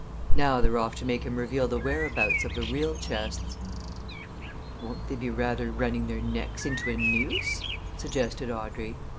Now they're off to make him reveal the whereabouts of the real chests." "Won't they be rather running their necks into a noose?" suggested Audrey.